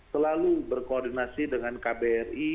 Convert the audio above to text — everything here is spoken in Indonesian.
selalu berkoordinasi dengan kbri